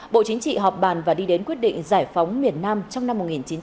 bộ chính trị họp bàn và đi đến quyết định giải phóng miền nam trong năm một nghìn chín trăm bảy mươi năm